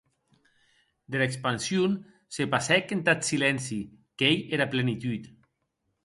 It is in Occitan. Dera expansion se passèc entath silenci, qu’ei era plenitud.